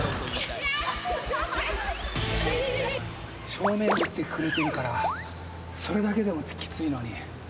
正面に打ってくれてるからそれだけでもキツいのに。